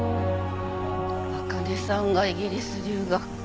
あかねさんがイギリス留学か。